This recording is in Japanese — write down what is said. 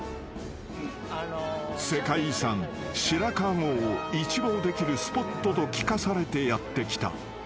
［世界遺産白川郷を一望できるスポットと聞かされてやって来た］